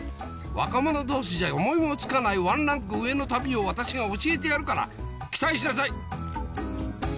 若者同士じゃ思いも付かないワンランク上の旅を私が教えてやるから期待しなさい。